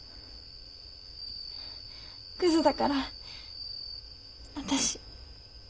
ぐずだから私。